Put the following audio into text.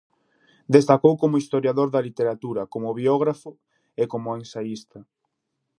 Destacou como historiador da literatura, como biógrafo e como ensaísta.